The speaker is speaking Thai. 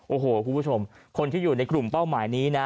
โอ้โหคุณผู้ชมคนที่อยู่ในกลุ่มเป้าหมายนี้นะ